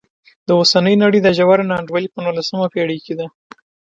د اوسنۍ نړۍ دا ژوره نا انډولي په نولسمه پېړۍ کې ده.